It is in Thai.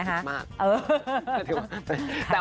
อะครับ